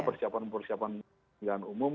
persiapan persiapan pemilihan umum